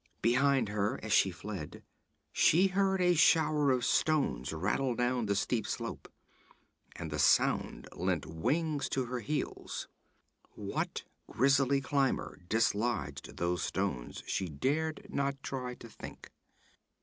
Behind her, as she fled, she heard a shower of stones rattle down the steep slope, and the sound lent wings to her heels. What grisly climber dislodged those stones she dared not try to think.